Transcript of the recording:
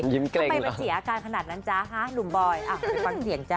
อยู่ใกล้ประเศษอาการขนาดนั้นหนุ่มบอยอ่ะเป็นความเห็นจ้ะ